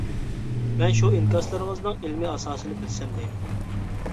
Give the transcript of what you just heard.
مەن شۇ ئىنكاسلىرىڭىزنىڭ ئىلمىي ئاساسىنى بىلسەم دەيمەن.